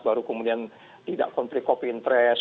baru kemudian tidak konflik of interest